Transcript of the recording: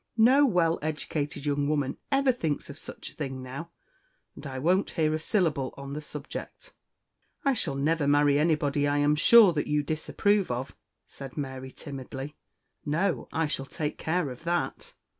No well educated young woman ever thinks of such a thing now, and I won't hear a syllable on the subject." "I shall never marry anybody, I am sure, that you disapprove of," said Mary timidly. "No; I shall take care of that.